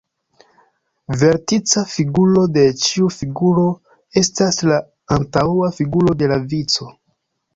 Vertica figuro de ĉiu figuro estas la antaŭa figuro de la vico.